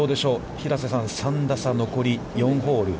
平瀬さん、３打差、残り４ホール。